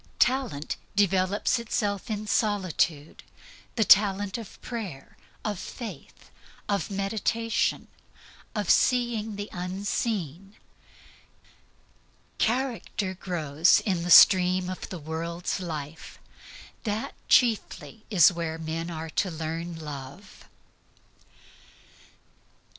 Talent develops itself in solitude the talent of prayer, of faith, of meditation, of seeing the unseen; character grows in the stream of the world's life. That chiefly is where men are to learn love.